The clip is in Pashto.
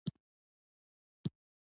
انیلا خبرې کولې او د هغې خبرې مې خوښېدې